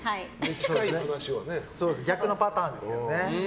逆のパターンですけどね。